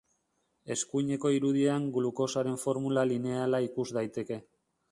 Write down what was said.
Eskuineko irudian glukosaren formula lineala ikus daiteke.